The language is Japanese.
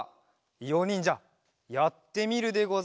いおにんじゃやってみるでござるか？